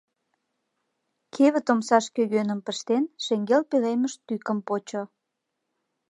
Кевыт омсаш кӧгӧным пыштен, шеҥгел пӧлемыш тӱкым почо.